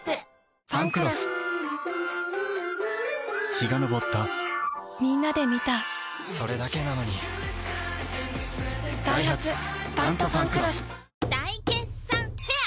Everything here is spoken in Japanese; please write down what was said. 陽が昇ったみんなで観たそれだけなのにダイハツ「タントファンクロス」大決算フェア